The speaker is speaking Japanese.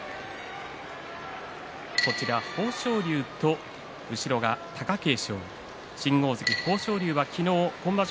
豊昇龍と貴景勝新大関豊昇龍は昨日今場所